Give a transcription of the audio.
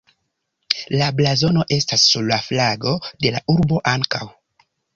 La blazono estas sur la flago de la urbo ankaŭ.